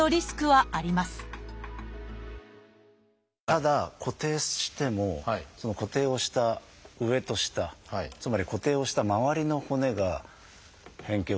ただ固定してもその固定をした上と下つまり固定をした周りの骨が変形を起こしてしまうと。